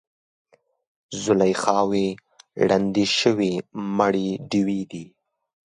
زلیخاوې ړندې شوي مړې ډیوې دي